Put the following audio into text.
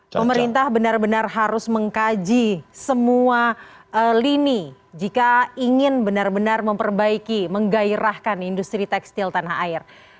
pemerintah benar benar harus mengkaji semua lini jika ingin benar benar memperbaiki menggairahkan industri tekstil tanah air